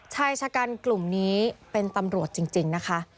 ชายชะกันกลุ่มนี้เป็นตำรวจจริงนะคะ